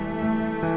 mama harus tetap sana